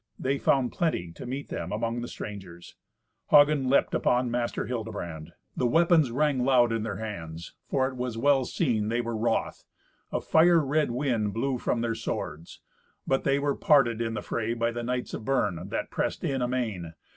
They found plenty to meet them among the strangers. Hagen leapt upon Master Hildebrand. The weapons rang loud in their hands, for it was well seen they were wroth. A fire red wind blew from their swords. But they were parted in the fray by the knights of Bern, that pressed in amain.